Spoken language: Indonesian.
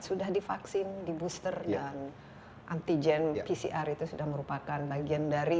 sudah divaksin di booster dan antigen pcr itu sudah merupakan bagian dari